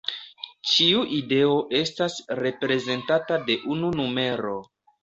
Ĉiu ideo estas reprezentata de unu numero.